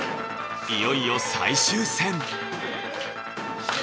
いよいよ最終戦茂！